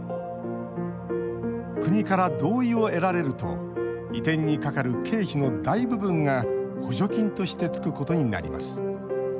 国から同意を得られると移転にかかる経費の大部分が補助金としてつくことになります。